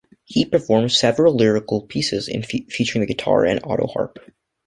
He performs several lyrical pieces featuring guitar and autoharp.